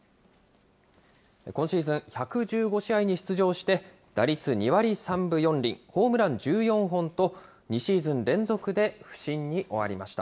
今シーズン１１５試合に出場して、打率２割３分４厘、ホームラン１４本と、２シーズンで連続で不振に終わりました。